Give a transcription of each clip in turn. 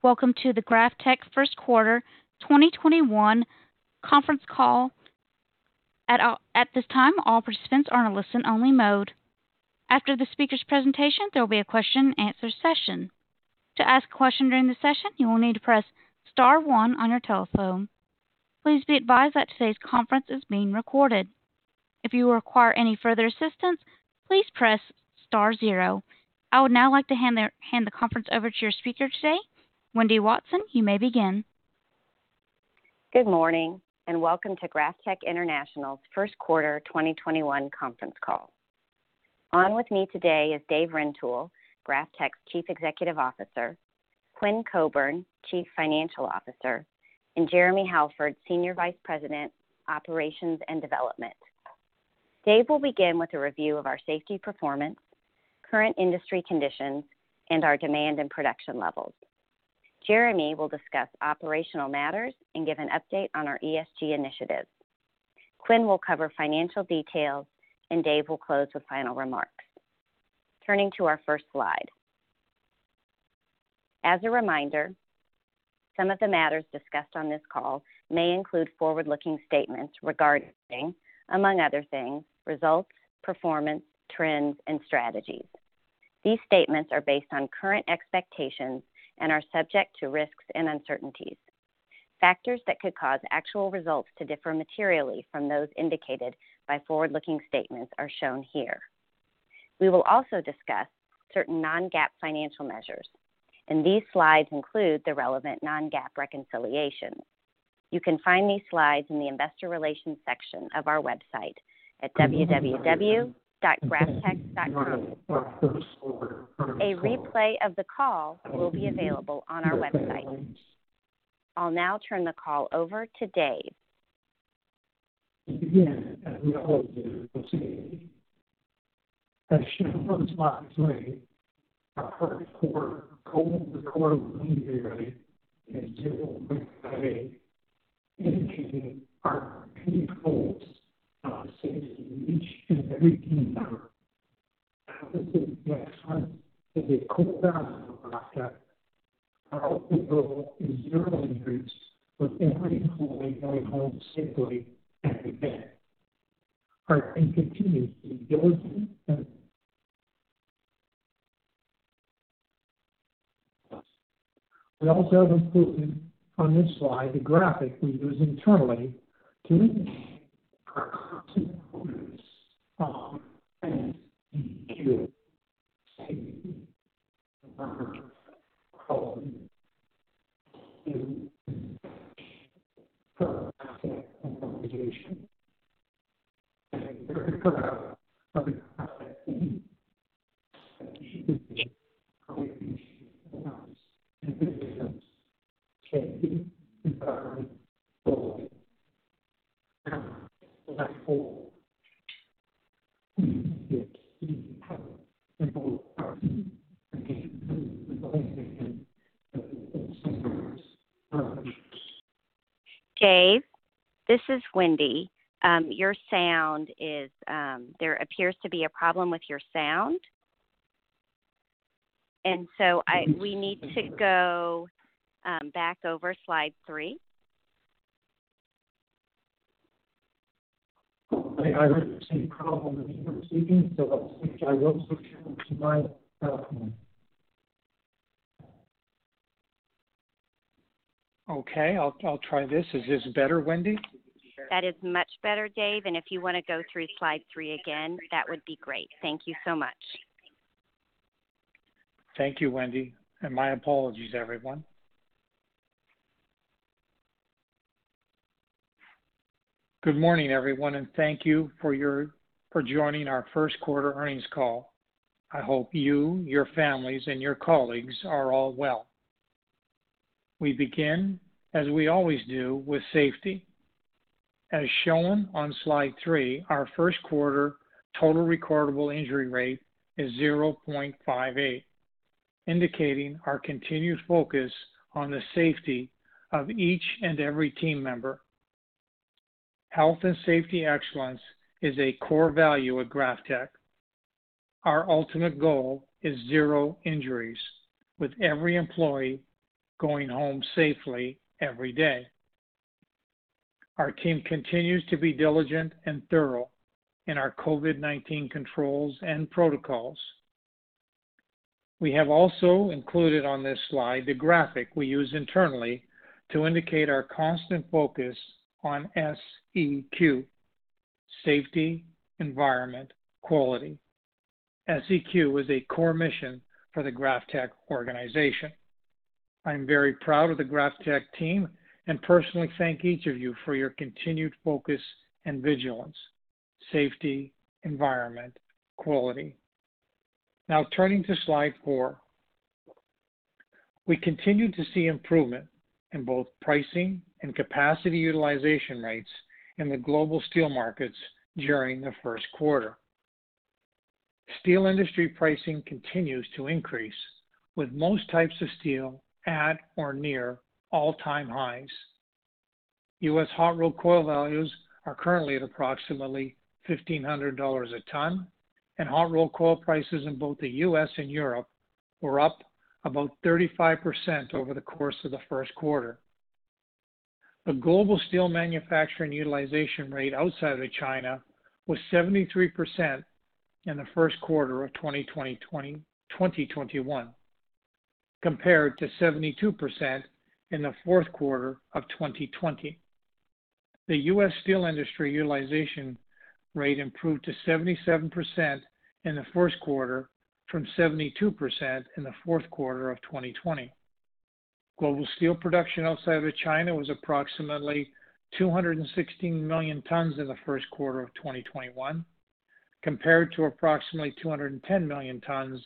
Welcome to the GrafTech first quarter 2021 Conference Call. [At this time, all presenters' are on only listen mode. After the speakers' presentations, there will be a question and discussion. To ask question in the session you only need to press star one on your telephone. Please be advised that today's conference call is recorded. If you require any further assistant, please press star zero.] I would now like to hand the conference over to your speaker today. Wendy Watson, you may begin. Good morning. Welcome to GrafTech International's first quarter 2021 conference call. On with me today is Dave Rintoul, GrafTech's Chief Executive Officer, Quinn Coburn, Chief Financial Officer, and Jeremy Halford, Senior Vice President, Operations and Development. Dave will begin with a review of our safety performance, current industry conditions, and our demand and production levels. Jeremy will discuss operational matters and give an update on our ESG initiatives. Quinn will cover financial details, and Dave will close with final remarks. Turning to our first slide. As a reminder, some of the matters discussed on this call may include forward-looking statements regarding, among other things, results, performance, trends, and strategies. These statements are based on current expectations and are subject to risks and uncertainties. Factors that could cause actual results to differ materially from those indicated by forward-looking statements are shown here. We will also discuss certain non-GAAP financial measures, and these slides include the relevant non-GAAP reconciliations. You can find these slides in the investor relations section of our website at www.graftech.com. A replay of the call will be available on our website. I'll now turn the call over to Dave. To begin, as we always do, with safety. As shown on slide three, our first quarter total recordable injury rate is 0.58, indicating our continued focus on the safety of each and every team member. Health and safety excellence is a core value at GrafTech. Our ultimate goal is zero injuries, with every employee going home safely every day. Our team continues to be diligent and thorough in our COVID-19 controls and protocols. We have also included on this slide the graphic we use internally to indicate our constant focus on SEQ, safety, environment, quality. SEQ is a core mission for the GrafTech organization. I am very proud of the GrafTech team and personally thank each of you for your continued focus and vigilance. Safety, environment, quality. Now, turning to slide four. We continued to see improvement in both pricing and capacity utilization rates in the global steel markets during the first quarter. Steel industry pricing continues to increase, with most types of steel at or near all-time highs. U.S. hot-rolled coil values are currently at approximately $1,500 a ton, and hot-rolled coil prices in both the U.S. and Europe were up about 35% over the course of the first quarter. The global steel manufacturing utilization rate outside of China was 73% in the first quarter of 2021, compared to 72% in the fourth quarter of 2020. The U.S. steel industry utilization rate improved to 77% in the first quarter from 72% in the fourth quarter of 2020. Global steel production outside of China was approximately 216 million tons in the first quarter of 2021, compared to approximately 210 million tons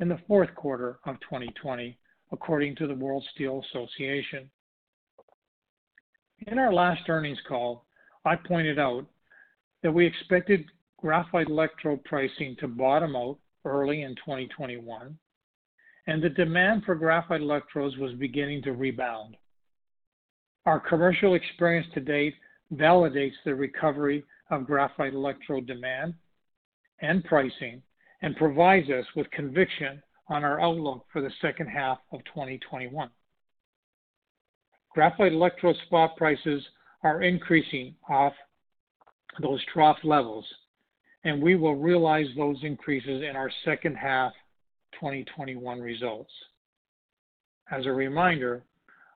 in the fourth quarter of 2020, according to the World Steel Association. In our last earnings call, I pointed out that we expected graphite electrode pricing to bottom out early in 2021, and the demand for graphite electrodes was beginning to rebound. Our commercial experience to date validates the recovery of graphite electrode demand and pricing and provides us with conviction on our outlook for the second half of 2021. Graphite electrode spot prices are increasing off those trough levels, and we will realize those increases in our second-half 2021 results. As a reminder,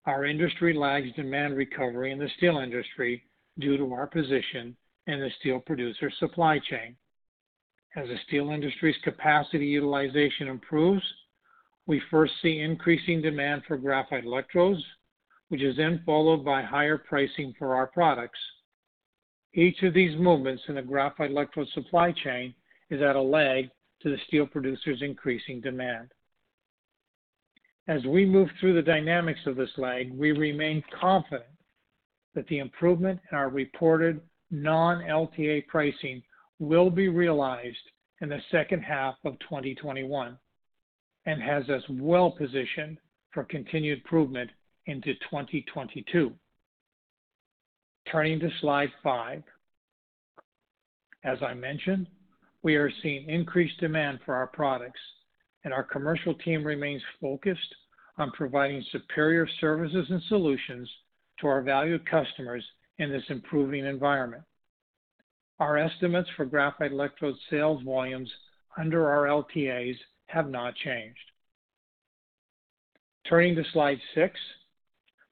our industry lags demand recovery in the steel industry due to our position in the steel producer supply chain. As the steel industry's capacity utilization improves, we first see increasing demand for graphite electrodes, which is then followed by higher pricing for our products. Each of these movements in the graphite electrode supply chain is at a lag to the steel producers' increasing demand. As we move through the dynamics of this lag, we remain confident that the improvement in our reported non-LTA pricing will be realized in the second half of 2021 and has us well positioned for continued improvement into 2022. Turning to slide five. As I mentioned, we are seeing increased demand for our products, and our commercial team remains focused on providing superior services and solutions to our valued customers in this improving environment. Our estimates for graphite electrode sales volumes under our LTAs have not changed. Turning to slide six.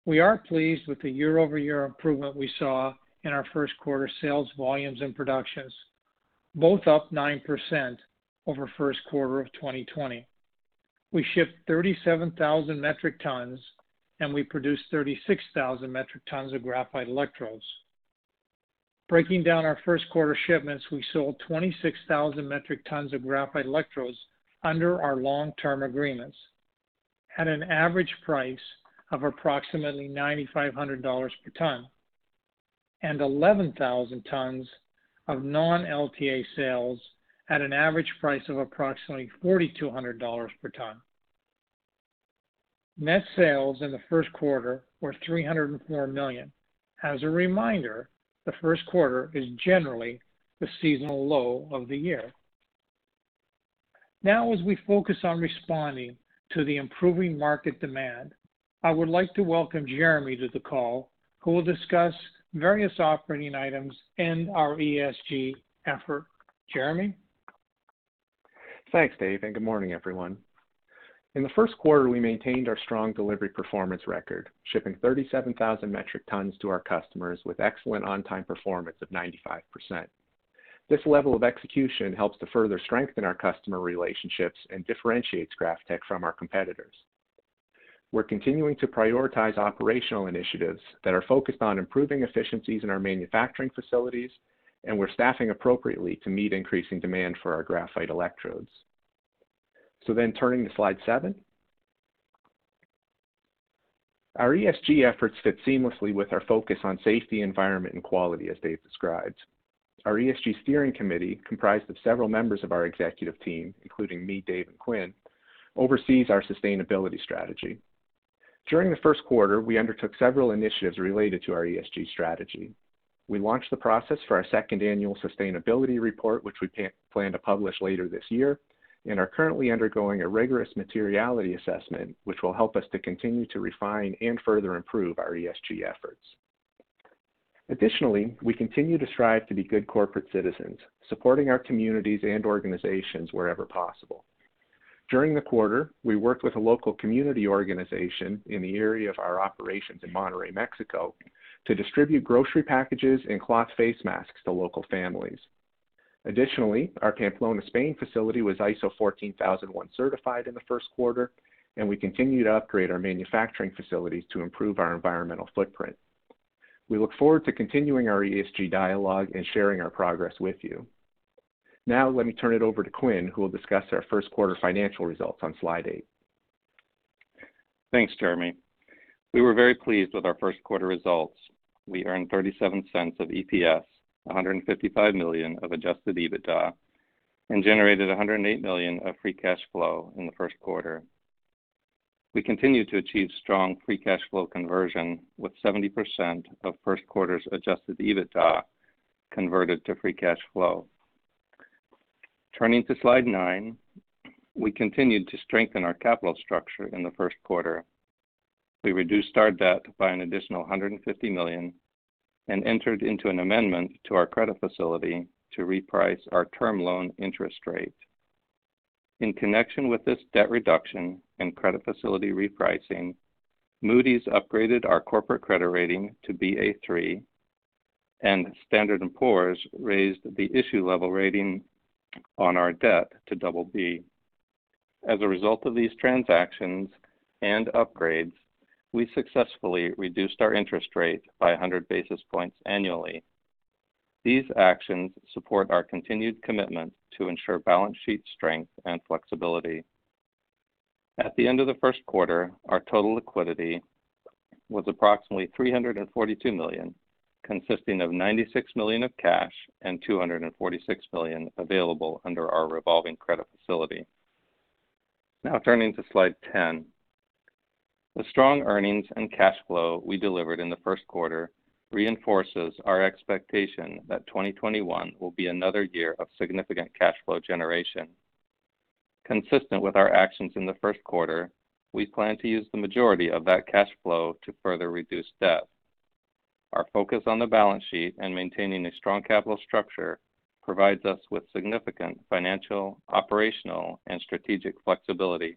We are pleased with the year-over-year improvement we saw in our first quarter sales volumes and productions, both up 9% over first quarter of 2020. We shipped 37,000 metric tons, and we produced 36,000 metric tons of graphite electrodes. Breaking down our first quarter shipments, we sold 26,000 metric tons of graphite electrodes under our long-term agreements at an average price of approximately $9,500 per ton and 11,000 tons of non-LTA sales at an average price of approximately $4,200 per ton. Net sales in the first quarter were $304 million. As a reminder, the first quarter is generally the seasonal low of the year. Now as we focus on responding to the improving market demand, I would like to welcome Jeremy to the call, who will discuss various operating items and our ESG effort. Jeremy? Thanks, Dave, good morning, everyone. In the first quarter, we maintained our strong delivery performance record, shipping 37,000 metric tons to our customers with excellent on-time performance of 95%. This level of execution helps to further strengthen our customer relationships and differentiates GrafTech from our competitors. We're continuing to prioritize operational initiatives that are focused on improving efficiencies in our manufacturing facilities, and we're staffing appropriately to meet increasing demand for our graphite electrodes. Turning to slide seven. Our ESG efforts fit seamlessly with our focus on safety, environment, and quality as Dave described. Our ESG steering committee, comprised of several members of our executive team, including me, Dave, and Quinn, oversees our sustainability strategy. During the first quarter, we undertook several initiatives related to our ESG strategy. We launched the process for our second annual sustainability report, which we plan to publish later this year, and are currently undergoing a rigorous materiality assessment, which will help us to continue to refine and further improve our ESG efforts. [Additionally,] we continue to strive to be good corporate citizens, supporting our communities and organizations wherever possible. During the quarter, we worked with a local community organization in the area of our operations in Monterrey, Mexico, to distribute grocery packages and cloth face masks to local families. [Additionally,] our Pamplona, Spain facility was ISO 14001 certified in the first quarter, and we continue to upgrade our manufacturing facilities to improve our environmental footprint. We look forward to continuing our ESG dialogue and sharing our progress with you. Let me turn it over to Quinn, who will discuss our first quarter financial results on slide eight. Thanks, Jeremy. We were very pleased with our first quarter results. We earned $0.37 of EPS, $155 million of adjusted EBITDA, and generated $108 million of free cash flow in the first quarter. We continued to achieve strong free cash flow conversion with 70% of first quarter's adjusted EBITDA converted to free cash flow. Turning to slide nine, we continued to strengthen our capital structure in the first quarter. We reduced our debt by an additional $150 million and entered into an amendment to our credit facility to reprice our term loan interest rate. In connection with this debt reduction and credit facility repricing, Moody's upgraded our corporate credit rating to Ba3, and Standard & Poor's raised the issue level rating on our debt to BB. As a result of these transactions and upgrades, we successfully reduced our interest rate by 100 basis points annually. These actions support our continued commitment to ensure balance sheet strength and flexibility. At the end of the first quarter, our total liquidity was approximately $342 million, consisting of $96 million of cash and $246 million available under our revolving credit facility. Turning to slide 10. The strong earnings and cash flow we delivered in the first quarter reinforces our expectation that 2021 will be another year of significant cash flow generation. Consistent with our actions in the first quarter, we plan to use the majority of that cash flow to further reduce debt. Our focus on the balance sheet and maintaining a strong capital structure provides us with significant financial, operational, and strategic flexibility,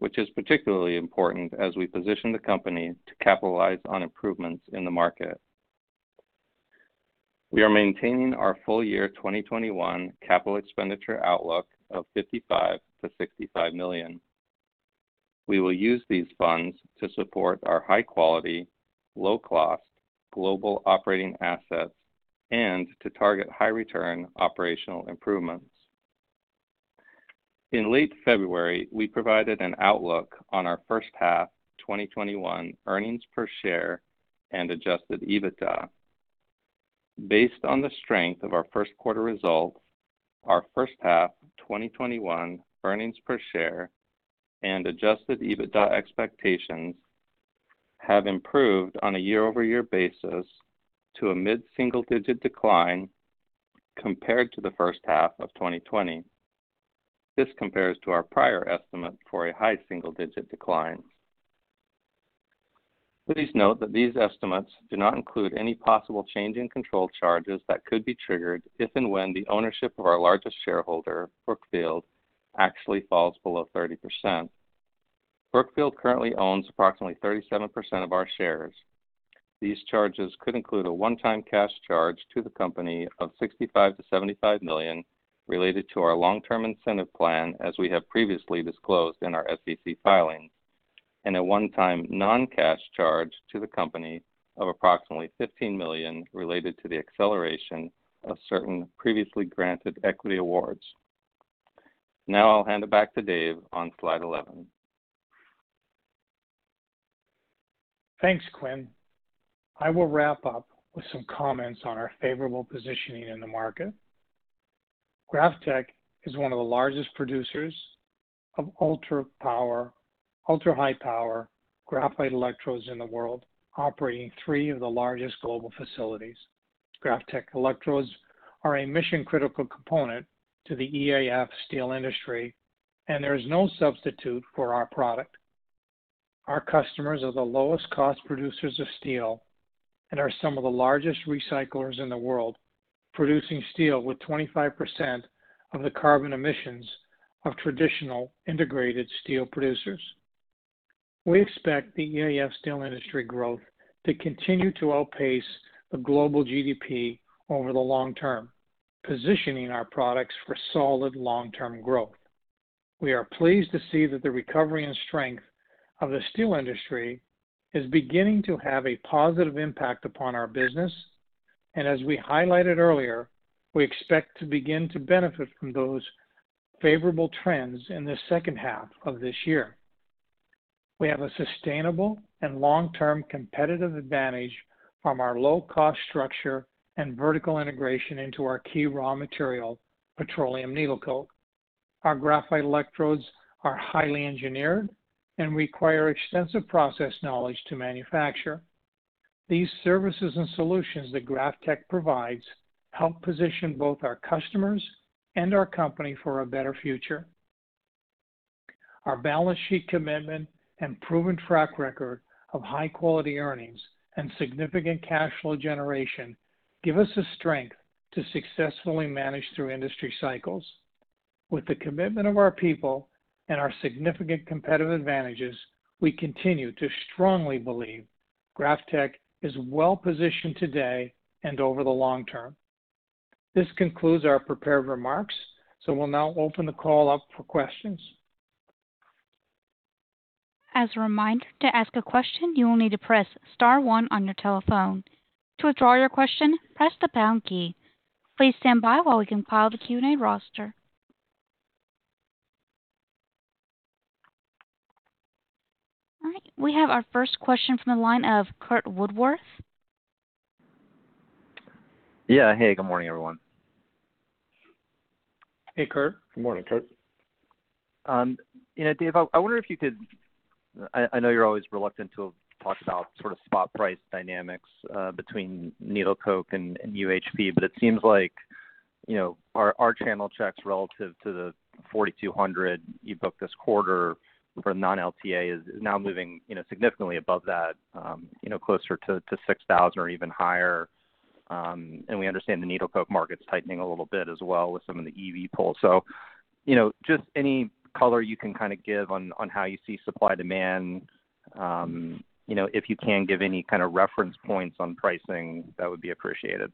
which is particularly important as we position the company to capitalize on improvements in the market. We are maintaining our full year 2021 capital expenditure outlook of $55 million-$65 million. We will use these funds to support our high-quality, low-cost global operating assets and to target high-return operational improvements. In late February, we provided an outlook on our first half 2021 earnings per share and adjusted EBITDA. Based on the strength of our first quarter results, our first half 2021 earnings per share and adjusted EBITDA expectations have improved on a year-over-year basis to a mid-single-digit decline compared to the first half of 2020. This compares to our prior estimate for a high single-digit decline. Please note that these estimates do not include any possible change in control charges that could be triggered if and when the ownership of our largest shareholder, Brookfield, actually falls below 30%. Brookfield currently owns approximately 37% of our shares. These charges could include a one-time cash charge to the company of $65 million-$75 million related to our long-term incentive plan, as we have previously disclosed in our SEC filings, and a one-time non-cash charge to the company of approximately $15 million related to the acceleration of certain previously granted equity awards. I'll hand it back to Dave on slide 11. Thanks, Quinn. I will wrap up with some comments on our favorable positioning in the market. GrafTech is one of the largest producers of ultra-high-power graphite electrodes in the world, operating three of the largest global facilities. GrafTech electrodes are a mission-critical component to the EAF steel industry, and there is no substitute for our product. Our customers are the lowest cost producers of steel and are some of the largest recyclers in the world, producing steel with 25% of the carbon emissions of traditional integrated steel producers. We expect the EAF steel industry growth to continue to outpace the global GDP over the long term, positioning our products for solid long-term growth. We are pleased to see that the recovery and strength of the steel industry is beginning to have a positive impact upon our business. As we highlighted earlier, we expect to begin to benefit from those favorable trends in the second half of this year. We have a sustainable and long-term competitive advantage from our low-cost structure and vertical integration into our key raw material, petroleum needle coke. Our graphite electrodes are highly engineered and require extensive process knowledge to manufacture. These services and solutions that GrafTech provides help position both our customers and our company for a better future. Our balance sheet commitment and proven track record of high-quality earnings and significant cash flow generation give us the strength to successfully manage through industry cycles. With the commitment of our people and our significant competitive advantages, we continue to strongly believe GrafTech is well-positioned today and over the long term. This concludes our prepared remarks, so we'll now open the call up for questions. As a reminder, to ask a question, you will need to press star one on your telephone. To withdraw your question, press the pound key. Please stand by while we compile the Q&A roster. All right, we have our first question from the line of Curt Woodworth. Yeah. Hey, good morning, everyone. Hey, Curt. Good morning, Curt. Dave, I wonder if you could I know you're always reluctant to talk about spot price dynamics between needle coke and UHP, but it seems like our channel checks relative to the $4,200 you booked this quarter for non-LTA is now moving significantly above that, closer to $6,000 or even higher. We understand the needle coke market's tightening a little bit as well with some of the EV pull. Just any color you can give on how you see supply-demand. If you can give any kind of reference points on pricing, that would be appreciated.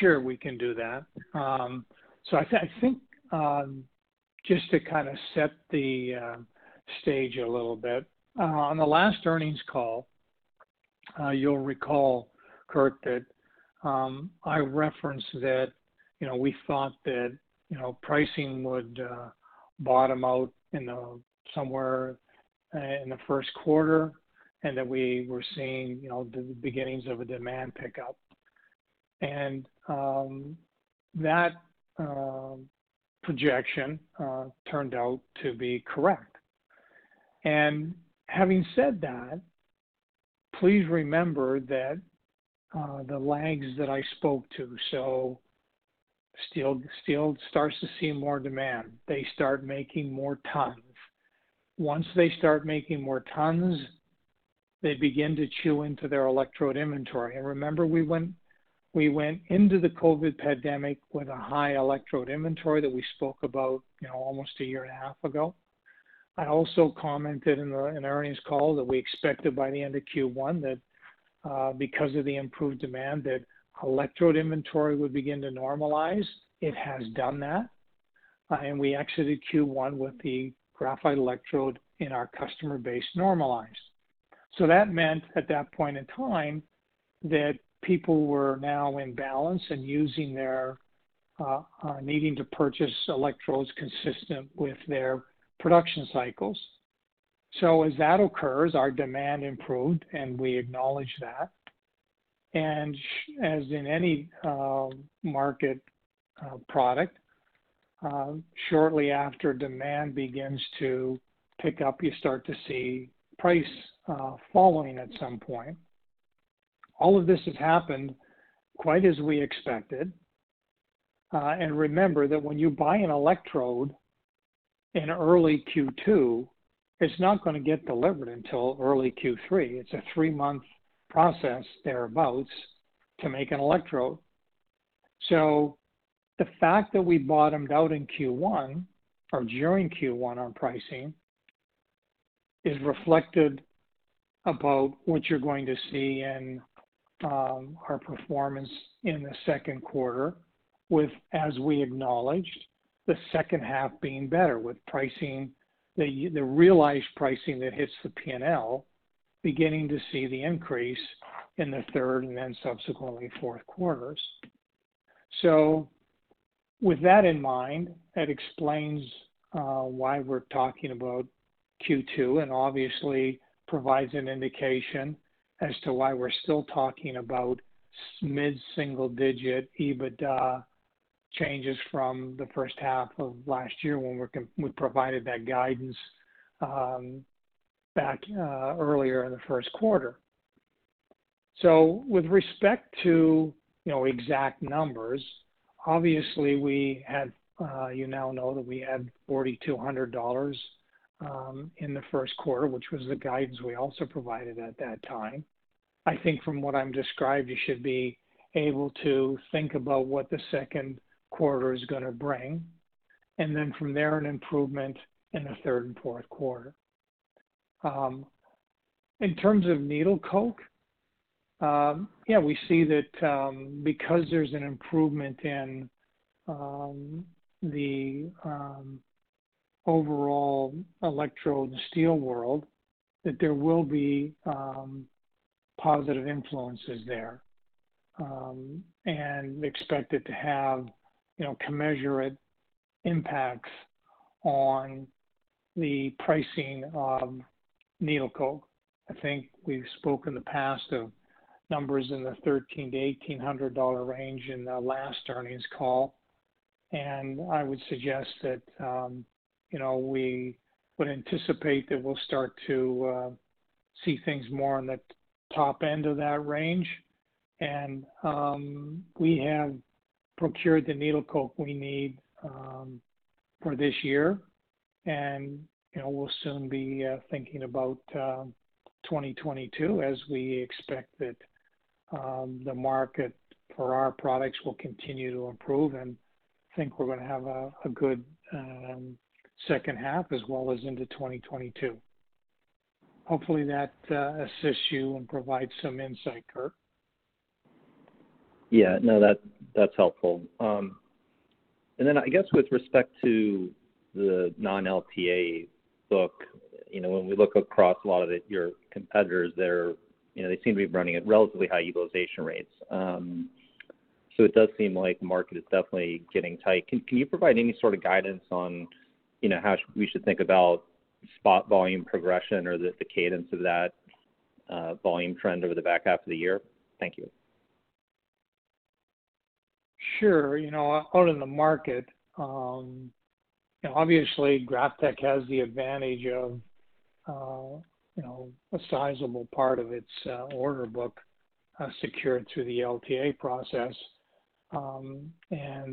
Sure, we can do that. I think, just to set the stage a little bit, on the last earnings call, you'll recall, Curt, that I referenced that we thought that pricing would bottom out somewhere in the first quarter, and that we were seeing the beginnings of a demand pickup. That projection turned out to be correct. Having said that, please remember the lags that I spoke to. Steel starts to see more demand. They start making more tons. Once they start making more tons, they begin to chew into their electrode inventory. Remember, we went into the COVID-19 pandemic with a high electrode inventory that we spoke about almost a year and a half ago. I also commented in the earnings call that we expected by the end of Q1 that because of the improved demand, that electrode inventory would begin to normalize. It has done that, and we exited Q1 with the graphite electrode in our customer base normalized. That meant, at that point in time, that people were now in balance and needing to purchase electrodes consistent with their production cycles. As that occurs, our demand improved, and we acknowledge that. As in any market product, shortly after demand begins to pick up, you start to see price falling at some point. All of this has happened quite as we expected. Remember that when you buy an electrode in early Q2, it's not going to get delivered until early Q3. It's a three-month process, thereabouts, to make an electrode. The fact that we bottomed out in Q1 or during Q1 on pricing is reflected about what you're going to see in our performance in the second quarter with, as we acknowledged, the second half being better with the realized pricing that hits the P&L beginning to see the increase in the third and then subsequently fourth quarters. With that in mind, that explains why we're talking about Q2 and obviously provides an indication as to why we're still talking about mid-single digit EBITDA changes from the first half of last year when we provided that guidance back earlier in the first quarter. With respect to exact numbers, obviously, you now know that we had $4,200 in the first quarter, which was the guidance we also provided at that time. I think from what I'm described, you should be able to think about what the second quarter is going to bring, and then from there, an improvement in the third and fourth quarter. In terms of needle coke, yeah, we see that because there's an improvement in the overall electrode and steel world, that there will be positive influences there, and we expect it to have commensurate impacts on the pricing of needle coke. I think we've spoken in the past of numbers in the $1,300-$1,800 range in the last earnings call, and I would suggest that we would anticipate that we'll start to see things more on the top end of that range. We have procured the petroleum needle coke we need for this year, and we'll soon be thinking about 2022 as we expect that the market for our products will continue to improve and think we're going to have a good second half as well as into 2022. Hopefully, that assists you and provides some insight, Curt. Yeah. No, that's helpful. I guess with respect to the non-LTA book, when we look across a lot of your competitors there, they seem to be running at relatively high utilization rates. It does seem like the market is definitely getting tight. Can you provide any sort of guidance on how we should think about spot volume progression or the cadence of that volume trend over the back half of the year? Thank you. Sure. Out in the market, obviously GrafTech has the advantage of a sizable part of its order book secured through the LTA process.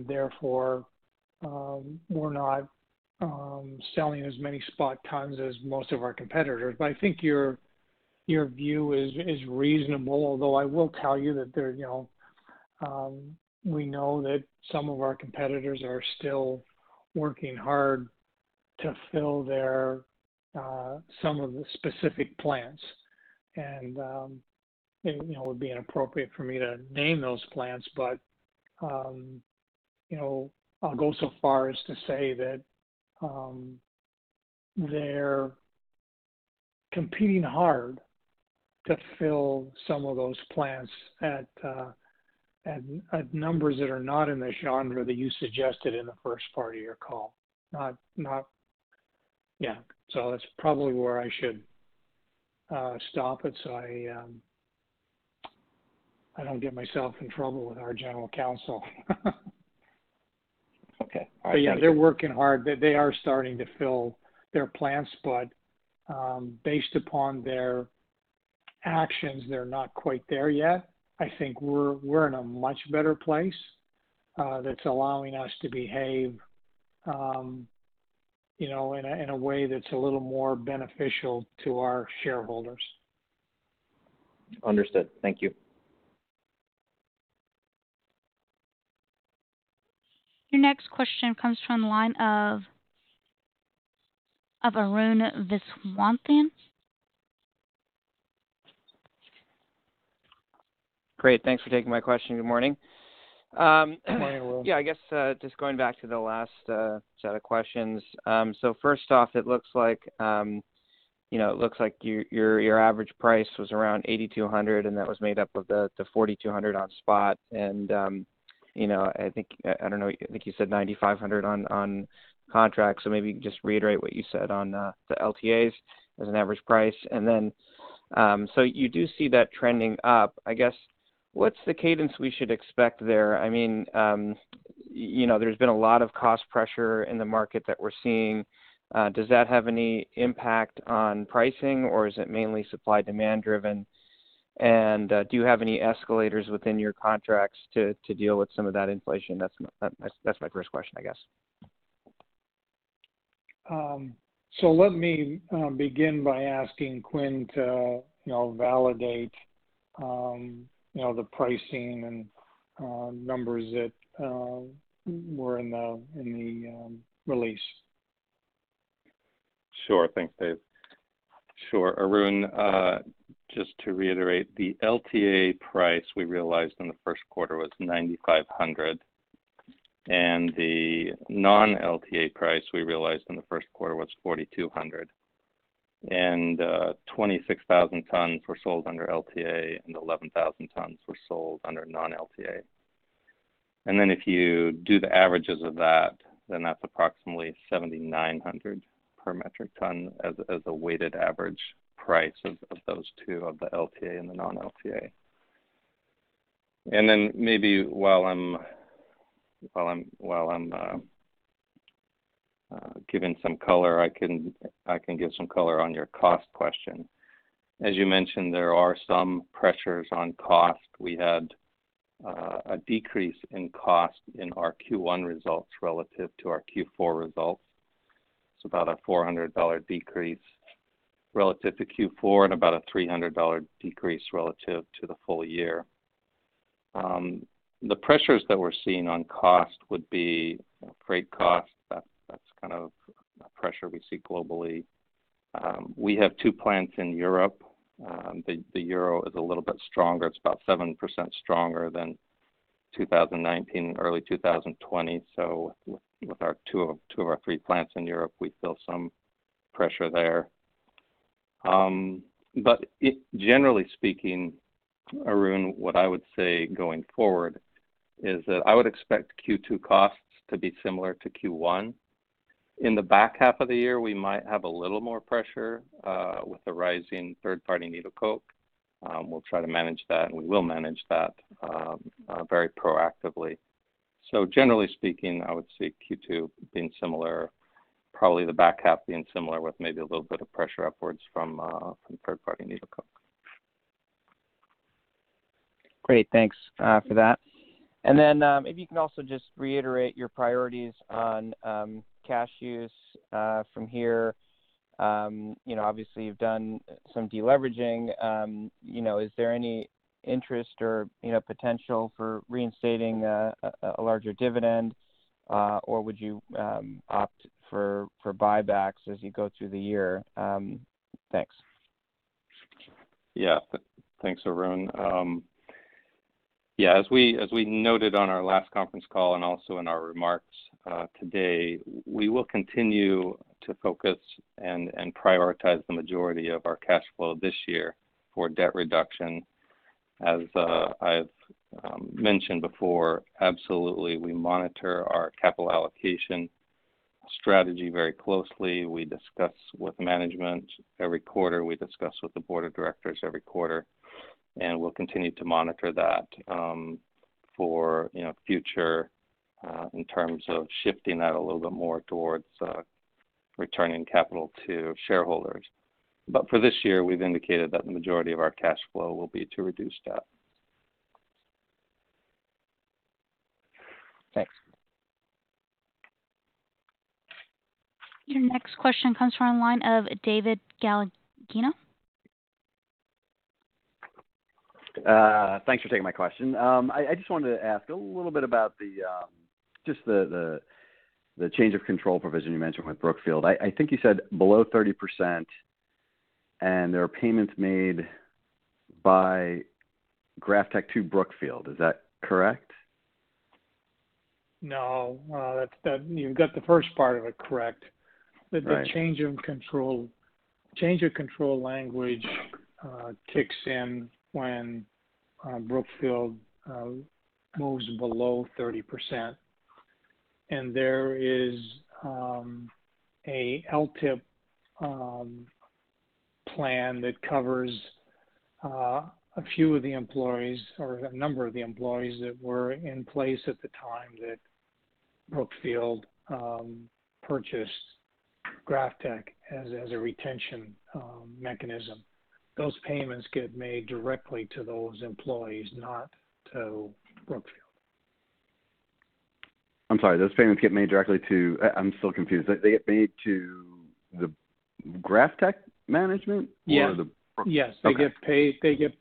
Therefore, we're not selling as many spot tons as most of our competitors. I think your view is reasonable, although I will tell you that we know that some of our competitors are still working hard to fill some of the specific plants. It would be inappropriate for me to name those plants, but I'll go so far as to say that they're competing hard to fill some of those plants at numbers that are not in the genre that you suggested in the first part of your call. Yeah. That's probably where I should stop it, so I don't get myself in trouble with our general counsel. Okay. All right. Yeah, they're working hard. They are starting to fill their plants, but based upon their actions, they're not quite there yet. I think we're in a much better place that's allowing us to behave in a way that's a little more beneficial to our shareholders. Understood. Thank you. Your next question comes from the line of Arun Viswanathan. Great. Thanks for taking my question. Good morning. Good morning, Arun. Yeah, I guess, just going back to the last set of questions. First off, it looks like your average price was around $8,200, and that was made up of the $4,200 on spot. I think, I don't know, I think you said $9,500 on contract, so maybe just reiterate what you said on the LTAs as an average price. Then, you do see that trending up. I guess, what's the cadence we should expect there? There's been a lot of cost pressure in the market that we're seeing. Does that have any impact on pricing, or is it mainly supply-demand driven? Do you have any escalators within your contracts to deal with some of that inflation? That's my first question, I guess. Let me begin by asking Quinn to validate the pricing and numbers that were in the release. Sure. Thanks, Dave. Sure. Arun, just to reiterate, the LTA price we realized in the first quarter was $9,500. The non-LTA price we realized in the first quarter was $4,200. 26,000 tons were sold under LTA, and 11,000 tons were sold under non-LTA. If you do the averages of that, then that's approximately $7,900 per metric ton as a weighted average price of those two, of the LTA and the non-LTA. Maybe while I'm giving some color, I can give some color on your cost question. As you mentioned, there are some pressures on cost. We had a decrease in cost in our Q1 results relative to our Q4 results. It's about a $400 decrease relative to Q4, and about a $300 decrease relative to the full year. The pressures that we're seeing on cost would be freight cost. That's kind of a pressure we see globally. We have two plants in Europe. The euro is a little bit stronger. It's about 7% stronger than 2019, early 2020. With two of our three plants in Europe, we feel some pressure there. Generally speaking, Arun, what I would say going forward is that I would expect Q2 costs to be similar to Q1. In the back half of the year, we might have a little more pressure with the rising third-party needle coke. We'll try to manage that, and we will manage that very proactively. Generally speaking, I would see Q2 being similar, probably the back half being similar with maybe a little bit of pressure upwards from third-party needle coke. Great. Thanks for that. If you can also just reiterate your priorities on cash use from here. Obviously, you've done some de-leveraging. Is there any interest or potential for reinstating a larger dividend, or would you opt for buybacks as you go through the year? Thanks. [Yes.] Thanks, Arun. As we noted on our last conference call and also in our remarks today, we will continue to focus and prioritize the majority of our cash flow this year for debt reduction. As I've mentioned before, absolutely, we monitor our capital allocation strategy very closely. We discuss with management every quarter, we discuss with the board of directors every quarter, we'll continue to monitor that for future, in terms of shifting that a little bit more towards returning capital to shareholders. For this year, we've indicated that the majority of our cash flow will be to reduce debt. Thanks. Your next question comes from the line of David Gagliano. Thanks for taking my question. I just wanted to ask a little bit about the change of control provision you mentioned with Brookfield. I think you said below 30%, and there are payments made by GrafTech to Brookfield. Is that correct? No. You've got the first part of it correct. Right. The change of control language kicks in when Brookfield moves below 30%. There is a LTIP plan that covers a few of the employees or a number of the employees that were in place at the time that Brookfield purchased GrafTech as a retention mechanism. Those payments get made directly to those employees, not to Brookfield. I'm sorry, those payments get made directly to I'm still confused. They get made to the GrafTech management? Yes. The [Brookfield]. Yes. Okay.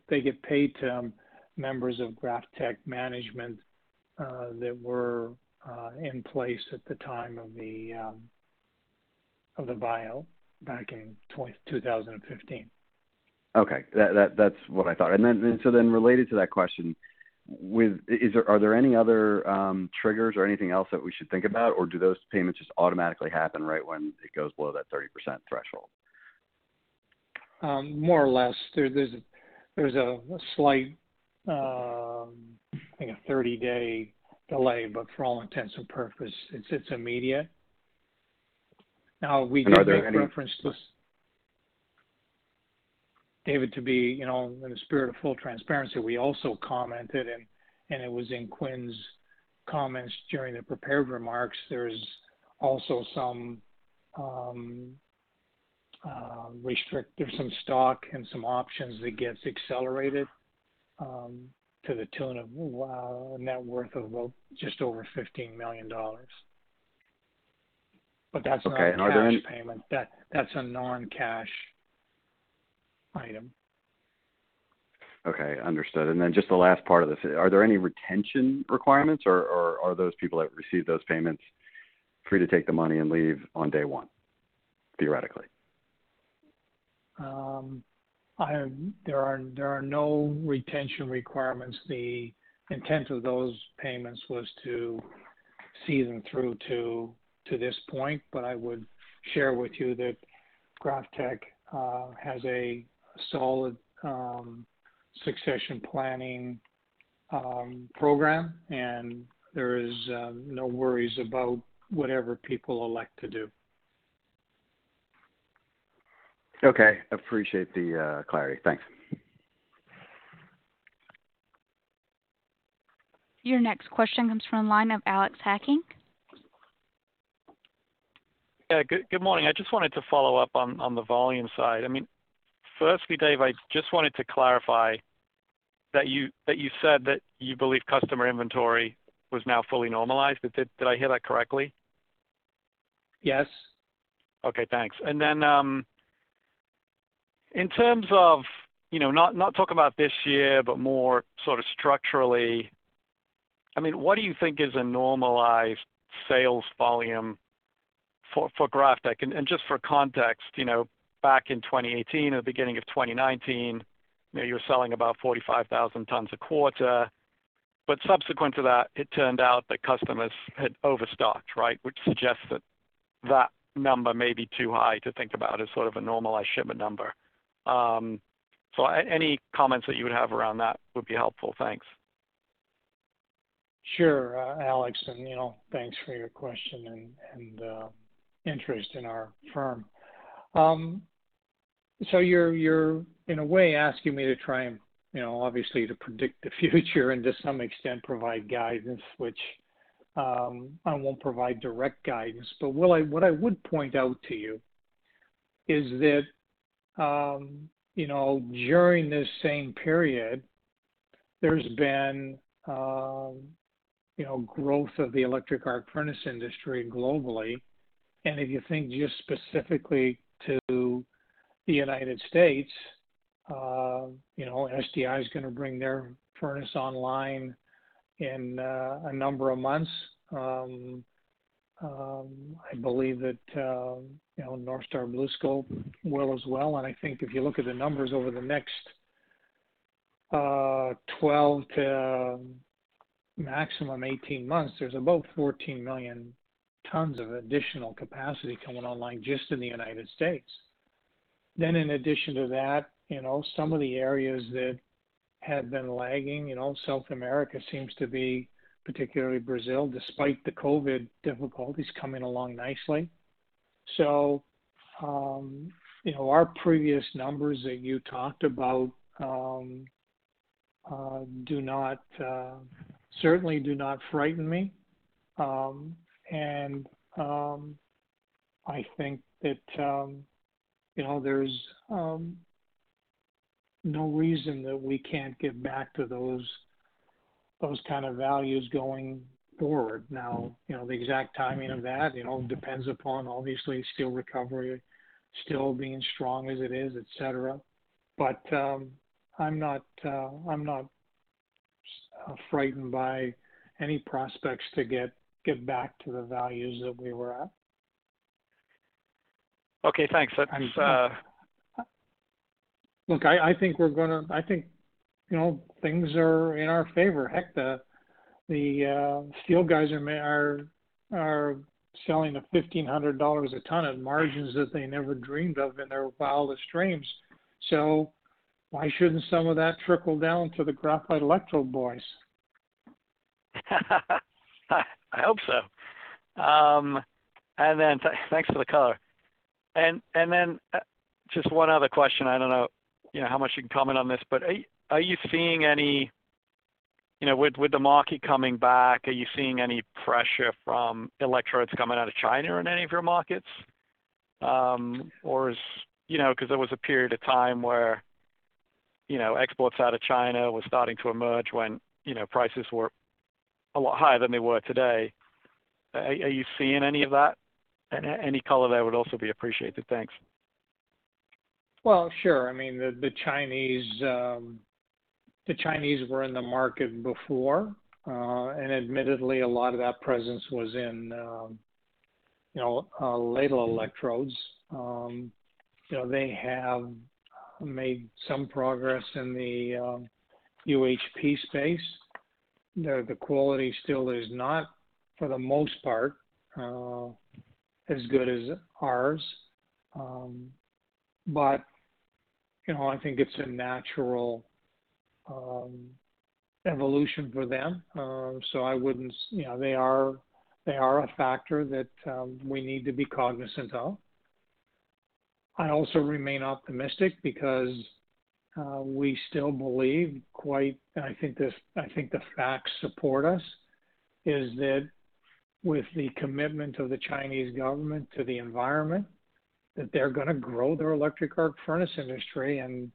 They get paid to members of GrafTech management that were in place at the time of the buyout back in 2015. Okay. That's what I thought. Related to that question, are there any other triggers or anything else that we should think about, or do those payments just automatically happen right when it goes below that 30% threshold? More or less. There's a slight, I think a 30-day delay, but for all intents and purpose, it's immediate. Are there any? make reference to David, to be in the spirit of full transparency, we also commented, and it was in Quinn's comments during the prepared remarks, there's also some stock and some options that gets accelerated, to the tune of a net worth of about just over $15 million. Okay. Not a cash payment. That's a non-cash item. Okay, understood. Just the last part of this, are there any retention requirements, or are those people that receive those payments free to take the money and leave on day one, theoretically? There are no retention requirements. The intent of those payments was to see them through to this point. I would share with you that GrafTech has a solid succession planning program, and there is no worries about whatever people elect to do. Okay. Appreciate the clarity. Thanks. Your next question comes from the line of Alex Hacking. Yeah. Good morning. I just wanted to follow up on the volume side. Firstly, Dave, I just wanted to clarify that you said that you believe customer inventory was now fully normalized. Did I hear that correctly? Yes. Okay, thanks. In terms of not talking about this year, but more structurally, what do you think is a normalized sales volume for GrafTech? Just for context, back in 2018 or the beginning of 2019, you were selling about 45,000 tons a quarter. Subsequent to that, it turned out that customers had overstocked, right? Which suggests that that number may be too high to think about as sort of a normalized shipment number. Any comments that you would have around that would be helpful. Thanks. Sure, Alex, thanks for your question and interest in our firm. You're in a way asking me to try and obviously to predict the future and to some extent provide guidance, which I won't provide direct guidance. What I would point out to you is that during this same period, there's been growth of the electric arc furnace industry globally. If you think just specifically to the U.S., SDI is going to bring their furnace online in a number of months. I believe that North Star BlueScope will as well. I think if you look at the numbers over the next 12 to maximum 18 months, there's about 14 million tons of additional capacity coming online just in the U.S. In addition to that, some of the areas that have been lagging, South America seems to be, particularly Brazil, despite the COVID-19 difficulties, coming along nicely. Our previous numbers that you talked about certainly do not frighten me. I think that there's no reason that we can't get back to those kind of values going forward. The exact timing of that depends upon, obviously, steel recovery still being strong as it is, et cetera. I'm not frightened by any prospects to get back to the values that we were at. Okay, thanks. Look, I think things are in our favor. Heck, the steel guys are selling at $1,500 a ton at margins that they never dreamed of in their wildest dreams. Why shouldn't some of that trickle down to the graphite electrode boys? I hope so. Thanks for the color. Just one other question. I don't know how much you can comment on this, but with the market coming back, are you seeing any pressure from electrodes coming out of China in any of your markets? Because there was a period of time where exports out of China were starting to emerge when prices were a lot higher than they were today. Are you seeing any of that? Any color there would also be appreciated. Thanks. Well, sure. [I mean] the Chinese were in the market before, and admittedly, a lot of that presence was in ladle electrodes. They have made some progress in the UHP space. The quality still is not, for the most part, as good as ours. I think it's a natural evolution for them. They are a factor that we need to be cognizant of. I also remain optimistic because we still believe, and I think the facts support us, is that with the commitment of the Chinese government to the environment, that they're going to grow their electric arc furnace industry and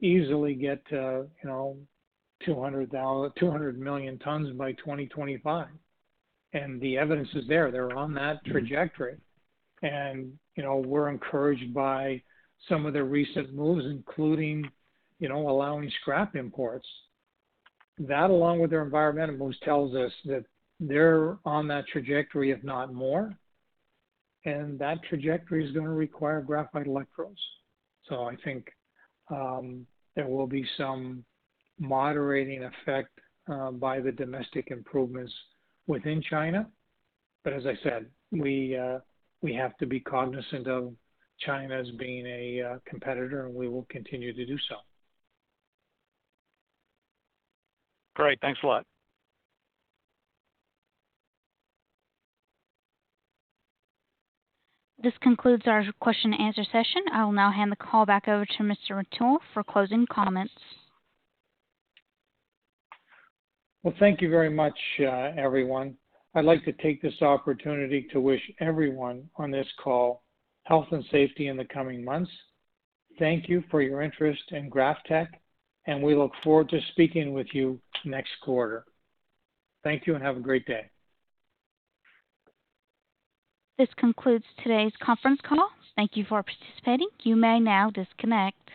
easily get to 200 million tons by 2025. The evidence is there. They're on that trajectory. We're encouraged by some of their recent moves, including allowing scrap imports. That, along with their environmental moves, tells us that they're on that trajectory, if not more. That trajectory is going to require graphite electrodes. I think there will be some moderating effect by the domestic improvements within China. As I said, we have to be cognizant of China as being a competitor, and we will continue to do so. Great. Thanks a lot. This concludes our question-and-answer session. I will now hand the call back over to Mr. Rintoul for closing comments. Well, thank you very much, everyone. I'd like to take this opportunity to wish everyone on this call health and safety in the coming months. Thank you for your interest in GrafTech, and we look forward to speaking with you next quarter. Thank you and have a great day. This concludes today's conference call. Thank you for participating. You may now disconnect.